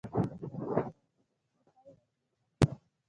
زۀ پوهه شوم چې کوهے وهي